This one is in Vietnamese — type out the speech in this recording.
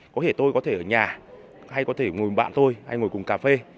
có thể tôi có thể ở nhà hay có thể ngồi bạn tôi hay ngồi cùng cà phê